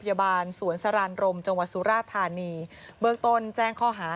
พยาบาลสวนสรานรมจังหวัดสุราธานีเบื้องต้นแจ้งข้อหา